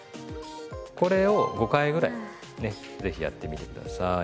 これを５回ぐらいね是非やってみて下さい。